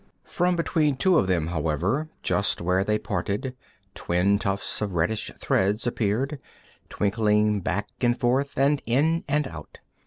From between two of them, however, just where they parted, twin tufts of reddish threads appeared, twinkling back and forth, and in and out.